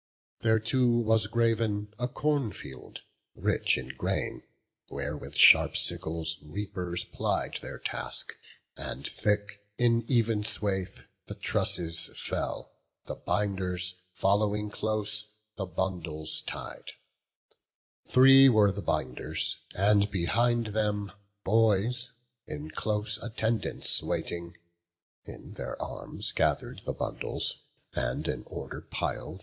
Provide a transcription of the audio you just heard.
There too was grav'n a corn field, rich in grain, Where with sharp sickles reapers plied their task, And thick, in even swathe, the trusses fell; The binders, following close, the bundles tied: Three were the binders; and behind them boys In close attendance waiting, in their arms Gather'd the bundles, and in order pil'd.